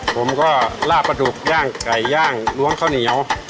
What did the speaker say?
ผมก็ลาบปลาดุกย่างไก่ย่างล้วงข้าวเหนียว